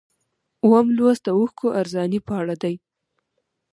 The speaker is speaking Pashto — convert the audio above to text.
اووم لوست د اوښکو ارزاني په اړه دی.